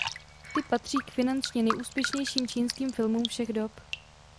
Ty patří k finančně nejúspěšnějším čínským filmům všech dob.